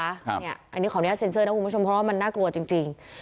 อันนี้ขออนุญาตเซ็นเซอร์นะคุณผู้ชมเพราะว่ามันน่ากลัวจริง